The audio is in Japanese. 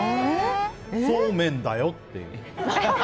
そうめんだよっていう。